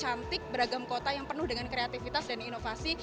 cantik beragam kota yang penuh dengan kreativitas dan inovasi